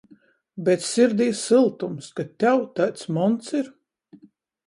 Bet sirdī syltums, ka tev taids monts ir?